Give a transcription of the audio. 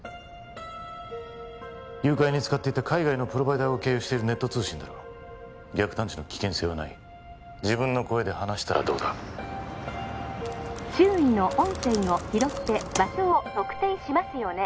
誘拐に使っていた海外のプロバイダーを経由しているネット通信だろ逆探知の危険性はない自分の声で話したらどうだ周囲の音声を拾って場所を特定しますよね